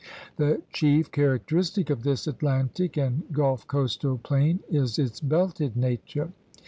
The chief characteristic of this Atlantic and Gulf coastal plain is its belted nature.